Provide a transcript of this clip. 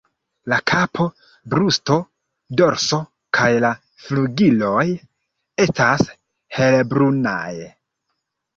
La kapo, brusto, dorso kaj la flugiloj estas helbrunaj.